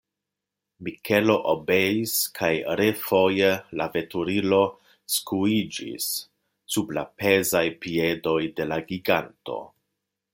Mikelo obeis kaj refoje la veturilo skuiĝis sub la pezaj piedoj de la giganto.